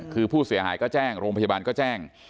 คือผู้เสียหายก็แจ้งโรงพยาบาลก็แจ้ง